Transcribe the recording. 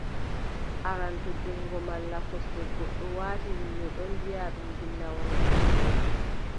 Aran, to junngo malla kosngal goɗɗo waati, yimɓe ɗon mbiʼa ɗum ginnawol nanngi mo.